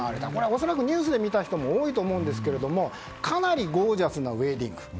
恐らくニュースで見た人も多いと思うんですけれどもかなりゴージャスなウェディング。